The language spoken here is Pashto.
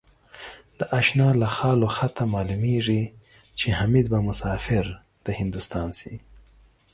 د آشناله خال و خطه معلومېږي ـ چې حمیدبه مسافر دهندوستان شي